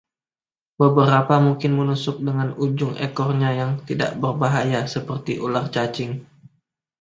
Beberapa mungkin menusuk dengan ujung ekornya yang tidak berbahaya, seperti ular cacing.